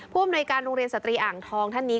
อำนวยการโรงเรียนสตรีอ่างทองท่านนี้